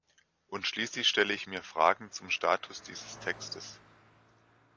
Und schließlich stelle ich mir Fragen zum Status dieses Textes.